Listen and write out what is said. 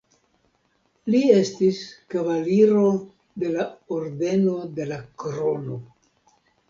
Li estis kavaliro de la Ordeno de la Krono.